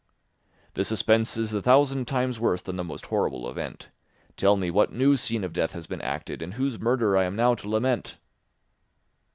"This suspense is a thousand times worse than the most horrible event; tell me what new scene of death has been acted, and whose murder I am now to lament?"